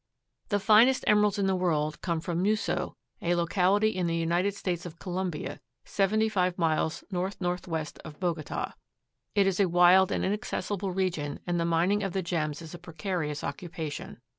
The finest emeralds in the world come from Muso, a locality in the United States of Colombia, seventy five miles N. N. W. of Bogota. It is a wild and inaccessible region and the mining of the gems is a precarious occupation.